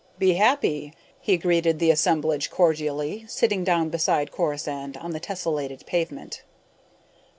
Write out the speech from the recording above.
"Be happy!" he greeted the assemblage cordially, sitting down beside Corisande on the tessellated pavement.